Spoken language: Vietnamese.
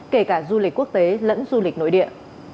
kể cả du lịch quốc tế lẫn du lịch nội địa